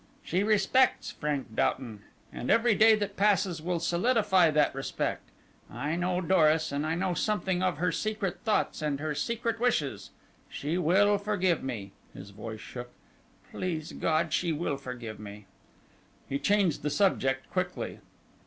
She respects Frank Doughton, and every day that passes will solidify that respect. I know Doris, and I know something of her secret thoughts and her secret wishes. She will forget me," his voice shook, "please God she will forget me." He changed the subject quickly.